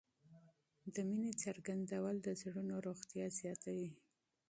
د مینې څرګندول د زړونو روغتیا زیاتوي.